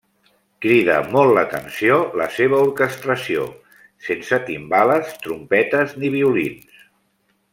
Crida molt l'atenció la seva orquestració: sense timbales, trompetes, ni violins.